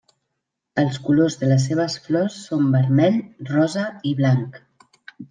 Els colors de les seves flors són vermell, rosa i blanc.